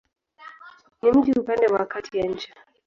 Ni mji upande wa kati ya nchi.